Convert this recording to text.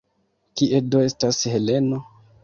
Kie do estas Heleno?